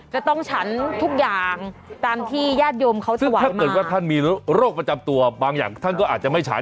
ฉันทุกอย่างตามที่ญาติโยมเขาจะหวังถ้าเกิดว่าท่านมีโรคประจำตัวบางอย่างท่านก็อาจจะไม่ฉัน